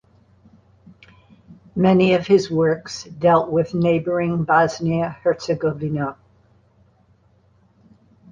Many of his works dealt with neighbouring Bosnia-Herzegovina.